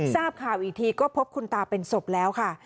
ทราบข่าวอีกทีก็พบคุณตาเป็นศพแล้วค่ะ